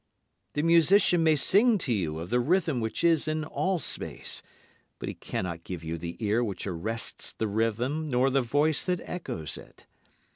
The musician may sing to you of the rhythm which is in all space, but he cannot give you the ear which arrests the rhythm nor the voice that echoes it.